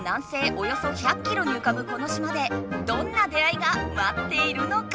およそ１００キロにうかぶこの島でどんな出会いがまっているのか？